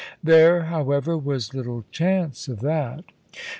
There, however, was little chance of that.